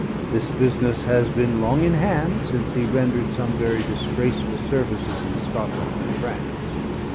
"This Business has been long in hand, since he rendered some very disgraceful Services in Scotland and France.